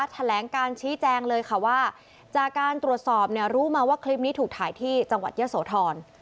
แถลงการชี้แจงเลยค่ะว่าจากการตรวจสอบเนี่ยรู้มาว่าคลิปนี้ถูกถ่ายที่จังหวัดเยอะโสธร